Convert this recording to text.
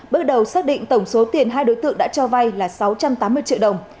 bước đầu xác định tổng số tiền hai đối tượng đã cho vay là sáu trăm tám mươi triệu đồng